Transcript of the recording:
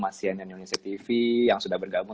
mas sian yang nyunisik tv yang sudah bergabung